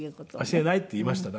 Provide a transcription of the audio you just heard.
「教えない」って言いました。